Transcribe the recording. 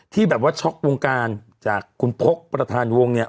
ที่แบบว่าช็อกวงการจากคุณพกประธานวงเนี่ย